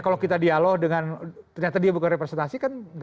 kalau kita dialog dengan ternyata dia bukan representasi kan